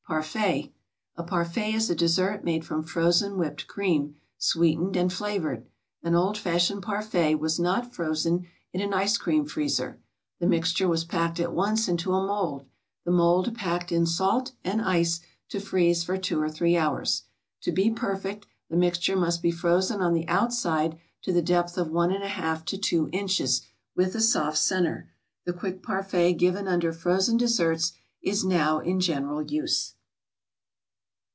PARFAIT A parfait is a dessert made from frozen whipped cream, sweetened and flavored. An old fashioned parfait was not frozen in an ice cream freezer; the mixture was packed at once into a mold, the mold packed in salt and ice to freeze for two or three hours. To be perfect, the mixture must be frozen on the outside to the depth of one and a half to two inches, with a soft centre. The quick parfait given under frozen desserts is now in general use.